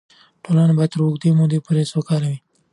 ټولنه به تر اوږدې مودې پورې سوکاله وي.